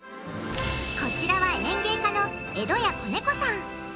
こちらは演芸家の江戸家小猫さん。